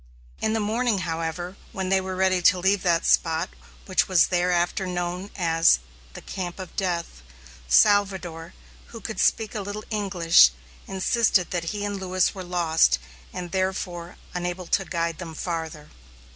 In the morning, however, when they were ready to leave that spot, which was thereafter known as the "Camp of Death," Salvador, who could speak a little English, insisted that he and Lewis were lost, and, therefore, unable to guide them farther.